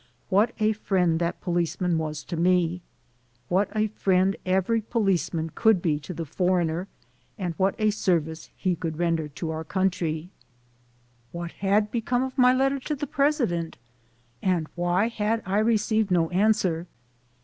What a friend that policeman was to me! What a friend every policeman could be to the "foreigner" and what a service he could render to our country ! What had become of my letter to the president and why had I received no answer?